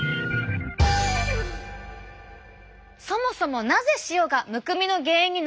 そもそもなぜ塩がむくみの原因になるのか。